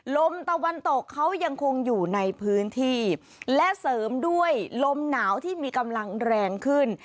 ลมตะวันตกเขายังคงอยู่ในพื้นที่และเสริมด้วยลมหนาวที่มีกำลังแรงขึ้น